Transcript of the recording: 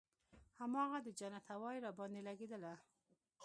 هماغه د جنت هوا چې راباندې لګېدله.